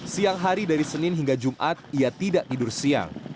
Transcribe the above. siang hari dari senin hingga jumat ia tidak tidur siang